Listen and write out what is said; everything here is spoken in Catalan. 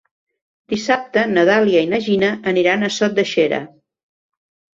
Dissabte na Dàlia i na Gina aniran a Sot de Xera.